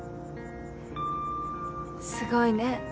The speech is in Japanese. すごいね。